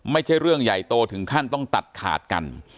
ไม่ใช่เรื่องใหญ่โตถึงขั้นต้องตัดขาดกัน